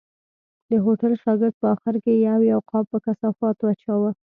د هوټل شاګرد په آخر کې یو یو قاب په کثافاتو اچاوه.